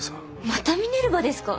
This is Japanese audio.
またミネルヴァですか！？